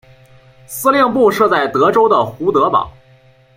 司令部设在德州的胡德堡。